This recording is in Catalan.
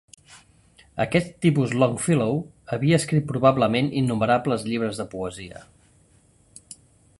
Aquest tipus Longfellow havia escrit probablement innumerables llibres de poesia.